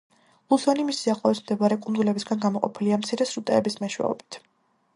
ლუსონი მის სიახლოვეს მდებარე კუნძულებისგან გამოყოფილია მცირე სრუტეების მეშვეობით.